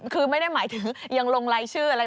คือไม่ได้หมายถึงยังลงรายชื่ออะไร